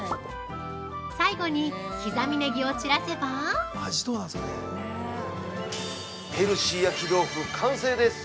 最後に刻みネギを散らせば◆ヘルシー焼き豆腐、完成です。